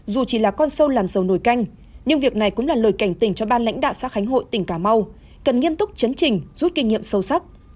dù chỉ là con sâu làm dầu nồi canh nhưng việc này cũng là lời cảnh tỉnh cho ban lãnh đạo xã khánh hội tỉnh cà mau cần nghiêm túc chấn trình rút kinh nghiệm sâu sắc